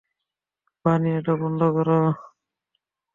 বানি, এটা বন্ধ করো।